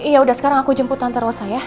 yaudah sekarang aku jemput tante rosa ya